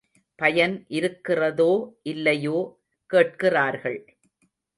பயன் இருக்கிறதோ இல்லையோ கேட்கிறார்கள்!